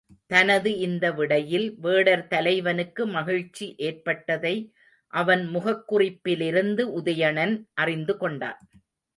தனது இந்த விடையில் வேடர் தலைவனுக்கு மகிழ்ச்சி ஏற்பட்டதை அவன் முகக் குறிப்பிலிருந்து உதயணன் அறிந்து கொண்டான்.